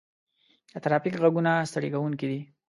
د ترافیک غږونه ستړي کوونکي دي.